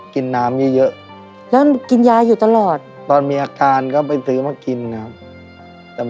กินน้ำเยอะเยอะแล้วกินยาอยู่ตลอดตอนมีอาการก็ไปซื้อมากินครับ